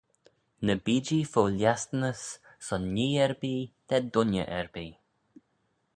Ny bee-jee fo lhiastynys son nhee erbee da dooinney erbee.